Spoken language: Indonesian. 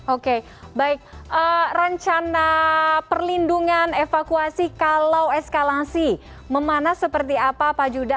oke baik rencana perlindungan evakuasi kalau eskalasi memanas seperti apa pak judah